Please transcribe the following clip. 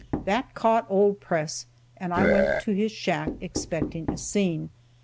That caught old Press, and I went to his shack expecting a scene.